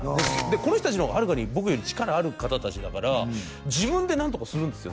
この人達の方がはるかに僕より力ある方達だから自分で何とかするんですよ